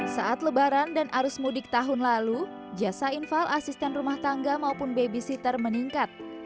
saat lebaran dan arus mudik tahun lalu jasa infal asisten rumah tangga maupun babysitter meningkat